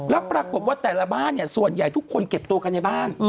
แล้วปรากฏว่าแต่ละบ้านเนี่ยส่วนใหญ่ทุกคนเก็บตัวกันในบ้าน